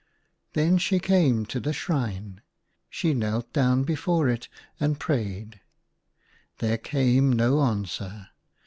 Then she came to the shrine ; she knelt down before it and prayed ; there came no answer.